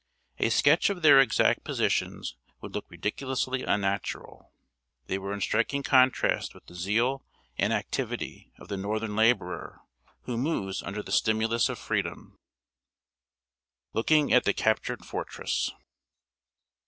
A sketch of their exact positions would look ridiculously unnatural. They were in striking contrast with the zeal and activity of the northern laborer, who moves under the stimulus of freedom. [Sidenote: LOOKING AT THE CAPTURED FORTRESS.